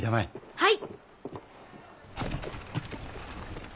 はい。